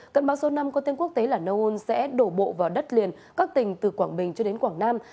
cận báo số năm có tên quốc tế là nông âu sẽ đổ bộ vào đất liền các tỉnh từ quảng bình cho đến quảng nam